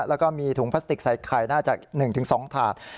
และก็มีถุงพลาสติกใส่ไข่น่าจะหนึ่งถึงสองถาด